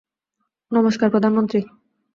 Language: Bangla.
নমষ্কার, প্রধানমন্ত্রী।